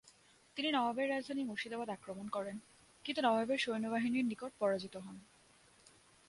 তিনি নবাবের রাজধানী মুর্শিদাবাদ আক্রমণ করেন, কিন্তু নবাবের সৈন্যবাহিনীর নিকট পরাজিত হন।